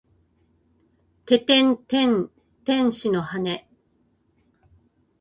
ててんてん天使の羽！